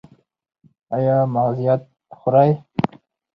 ایا مغزيات خورئ؟